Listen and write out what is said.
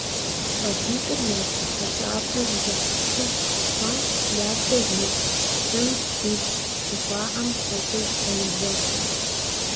ЩӀалитӀыр я бжьыхьэкӀапэр зэпылъу къэхъуат, «я псэр зы чысэм илъщ» жыхуаӀэм хуэдэу зэныбжьэгъут.